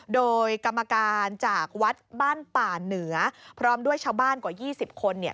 โดยกรรมการจากวัดบ้านป่าเหนือพร้อมด้วยชาวบ้านกว่า๒๐คน